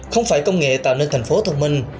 không phải công nghệ tạo nên thành phố thông minh